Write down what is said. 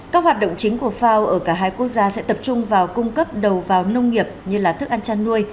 các hoạt động chính của fao ở cả hai quốc gia sẽ tập trung vào cung cấp đầu vào nông nghiệp như là thức ăn chăn nuôi